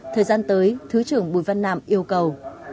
thời gian tới thứ trưởng bùi văn nạm yêu cầu